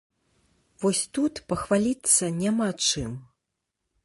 Вось тут пахваліцца няма чым.